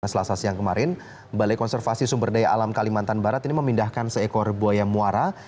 selasa siang kemarin balai konservasi sumber daya alam kalimantan barat ini memindahkan seekor buaya muara